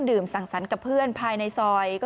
สั่งสรรค์กับเพื่อนภายในซอย